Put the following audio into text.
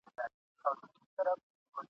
زه د محتسب په غلیمانو کي ښاغلی یم !.